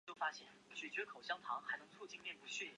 大原野神社是一座位于日本京都市西京区大原野的神社。